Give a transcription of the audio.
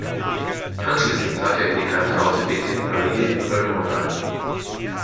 Anschließend trat er in die Kartause "Bethlehem Mariae" in Roermond ein.